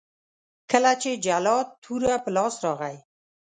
کله چې جلات توره په لاس راغی.